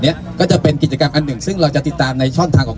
เนี้ยก็จะเป็นกิจกรรมอันหนึ่งซึ่งเราจะติดตามในช่องทางของ